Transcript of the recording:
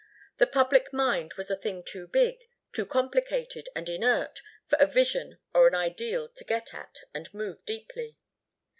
The public mind was a thing too big, too complicated and inert for a vision or an ideal to get at and move deeply.